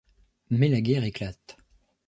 Mais la guerre éclate.